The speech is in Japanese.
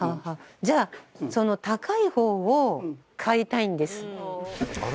じゃあその高い方を買いたいんです。